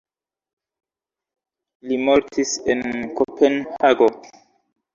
Li mortis en Kopenhago.